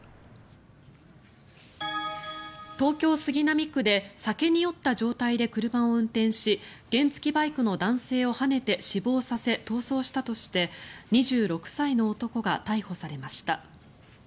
東京・杉並区で酒に酔った状態で車を運転し原付きバイクの男性をはねて死亡させ、逃走したとして２６歳の男が逮捕されました。